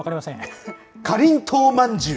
かりんとうまんじゅう。